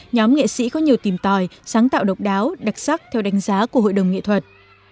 nhóm nghệ sĩ có nhiều tìm tòi sáng tạo độc đáo đặc sắc theo đánh giá của hội đồng nghệ thuật